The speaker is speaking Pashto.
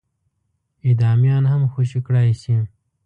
اعدامیان هم خوشي کړای شي.